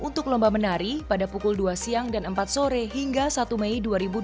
untuk lomba menari pada pukul dua siang dan empat sore hingga satu mei dua ribu dua puluh